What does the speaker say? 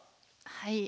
はい。